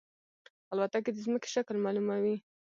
الوتکه د زمکې شکل معلوموي.